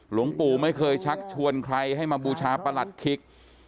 หลวงปู่ไม่เคยชักชวนใครให้มาบูชาประหลัดคิก